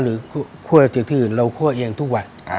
คั่วจากที่อื่นเราคั่วเอียงทุกวัน